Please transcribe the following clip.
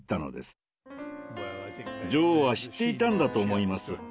女王は知っていたんだと思います。